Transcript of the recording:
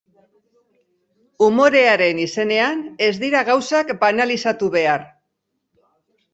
Umorearen izenean ez dira gauzak banalizatu behar.